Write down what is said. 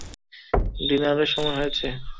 ডিনারের সময় হয়েছে!